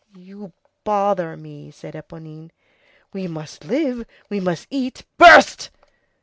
"You bother me," said Éponine. "But we must live, we must eat—" "Burst!"